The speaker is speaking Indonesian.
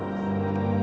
mama gak mau berhenti